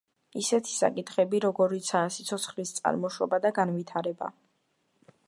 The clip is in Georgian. ისეთი საკითხები, როგორიცაა სიცოცხლის წარმოშობა და განვითარება.